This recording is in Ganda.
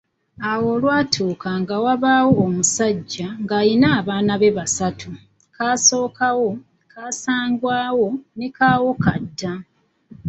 Awo olwatuuka nga wabaawo omusajja ng’alina abaana be basatu: Kasookawo, Kaasangwawo ne Kawokadda.